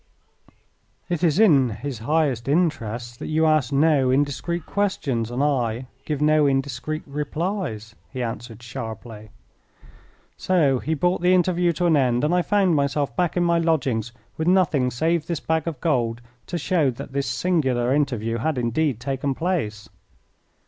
"It is in his highest interests that you ask no indiscreet questions and I give no indiscreet replies," he answered, sharply. So he brought the interview to an end, and I found myself back in my lodgings with nothing save this bag of gold to show that this singular interview had indeed taken place.